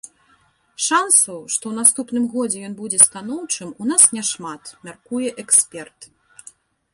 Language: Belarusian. Шансаў, што ў наступным годзе ён будзе станоўчым, у нас няшмат, мяркуе эксперт.